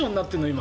今。